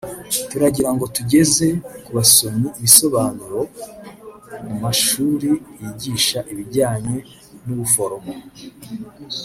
turagira ngo tugeze ku basomyi ibisobanuro ku mashuri yigisha ibijyanye n’ubuforomo